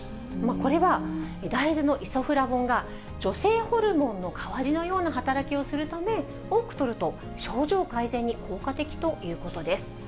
これは大豆のイソフラボンが女性ホルモンの代わりのような働きをするため、多くとると症状改善に効果的ということです。